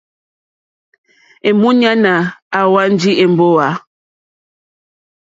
Èmúɲánà àhwánjì èmbówà.